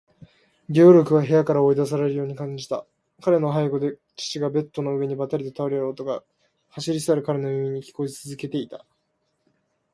ゲオルクは部屋から追い出されるように感じた。彼の背後で父がベッドの上にばたりと倒れる音が、走り去る彼の耳に聞こえつづけていた。